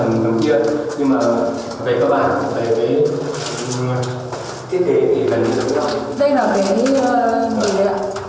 và cái phòng đặc biệt vẽ hút sâu ở những căn hầm gần kia nhưng mà về các bạn về cái thiết kế thì gần giống nhau nhỉ